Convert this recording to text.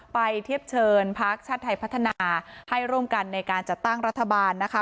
เทียบเชิญพักชาติไทยพัฒนาให้ร่วมกันในการจัดตั้งรัฐบาลนะคะ